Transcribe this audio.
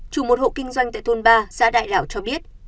chủ một hộ kinh doanh tại thôn ba xã đại lào cho biết